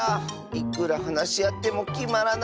いくらはなしあってもきまらないッス。